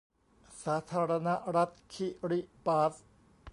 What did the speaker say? สาธารณรัฐคิริบาส